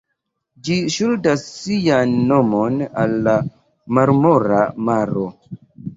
Ĝi ŝuldas sian nomon al la Marmora maro.